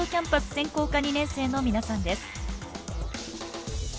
専攻科２年生の皆さんです。